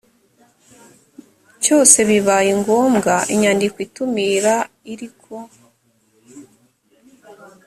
cyose bibaye ngombwa inyandiko itumira iri ku